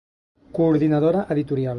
Coordinadora Editorial.